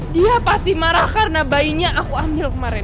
dia pasti marah karena bayinya aku ambil kemarin